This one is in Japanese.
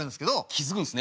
気付くんですね。